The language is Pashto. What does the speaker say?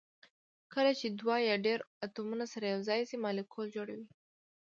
کله چې دوه یا ډیر اتومونه سره یو ځای شي مالیکول جوړوي